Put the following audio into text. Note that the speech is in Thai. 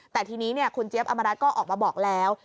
แต่ทีนี้คุณเจี๊ยบอำมารัฐก็ออกมาบอกแล้ว